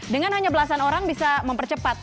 dengan hanya belasan orang bisa mempercepat